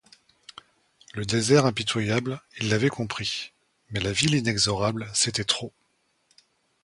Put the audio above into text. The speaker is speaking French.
Le désert impitoyable, il l’avait compris ; mais la ville inexorable, c’était trop.